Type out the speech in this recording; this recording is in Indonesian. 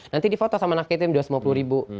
nanti di foto sama anak yatim dua ratus lima puluh ribu